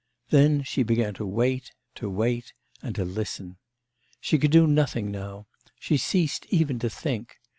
Then she began to wait, to wait, and to listen. She could do nothing now; she ceased even to think.